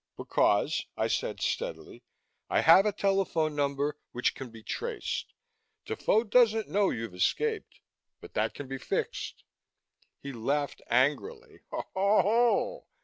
"Because," I said steadily, "I have a telephone number. Which can be traced. Defoe doesn't know you've escaped, but that can be fixed!" He laughed angrily. "Oh ho.